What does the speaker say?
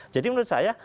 jadi menurut saya